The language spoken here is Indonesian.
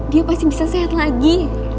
dia pasti bisa sehat lagi